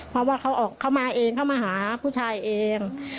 เพราะว่าเขามาเองเขามาหาผู้ชายเอง